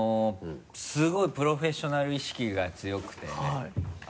すごいプロフェッショナル意識が強くて。